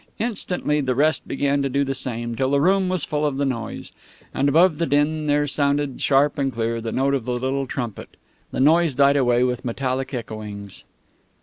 Instantly the rest began to do the same, till the room was full of the noise. And above the din there sounded sharp and clear the note of the little trumpet. The noise died away with metallic echoings.